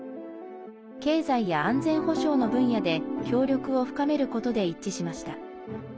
経済や安全保障の分野で協力を深めることで一致しました。